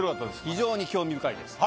非常に興味深いです。